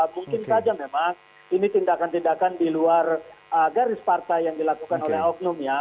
mungkin saja memang ini tindakan tindakan di luar garis partai yang dilakukan oleh oknum ya